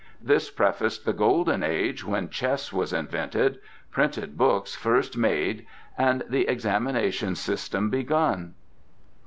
This prefaced the Golden Age when chess was invented, printed books first made and the Examination System begun.